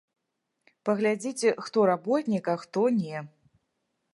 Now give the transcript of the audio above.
Паглядзіце, хто работнік, а хто не.